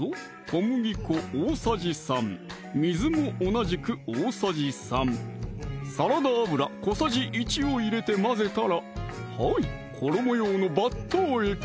小麦粉大さじ３水も同じく大さじ３サラダ油小さじ１を入れて混ぜたらはい衣用のバッター液